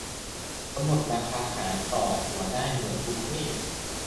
- กำหนดราคาขายต่อหัวได้ เหมือนบุฟเฟต์